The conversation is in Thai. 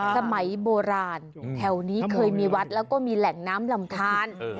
สมัยโบราณแถวนี้เคยมีวัดแล้วก็มีแหล่งน้ำลำทาน